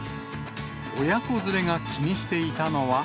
親子連れが気にしていたのは。